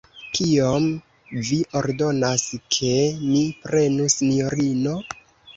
Kiom vi ordonas, ke mi prenu, sinjorino?